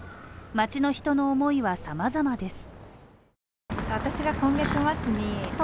街の人の思いは、さまざまです。